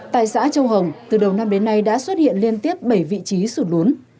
tại xã châu hồng từ đầu năm đến nay đã xuất hiện liên tiếp bảy vị trí sụt lún